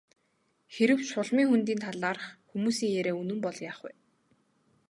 Хэрэв Шулмын хөндийн талаарх хүмүүсийн яриа үнэн бол яах вэ?